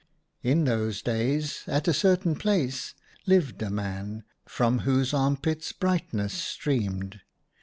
In those days at a certain place lived a man, from whose armpits bright ness streamed.